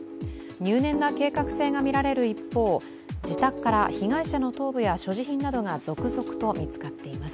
入念な計画性が見られる一方自宅から被害者の頭部や所持品などが続々と見つかっています。